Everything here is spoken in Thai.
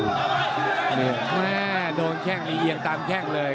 โครงแห้งมีเอียงตามแทงเลย